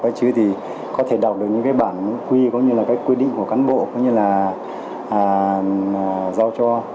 bọn em chưa có thể đọc được những bản quy quy định của cán bộ giao cho